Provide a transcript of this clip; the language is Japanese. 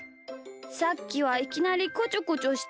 さっきはいきなりこちょこちょしてごめん。